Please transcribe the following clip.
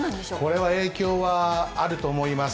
これは影響はあると思います。